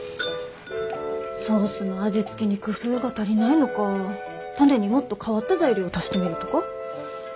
ソースの味付けに工夫が足りないのかタネにもっと変わった材料を足してみるとか。